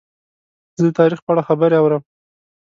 زه د تاریخ په اړه خبرې اورم.